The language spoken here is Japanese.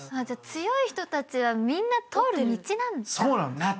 じゃあ強い人たちはみんな通る道なんだ。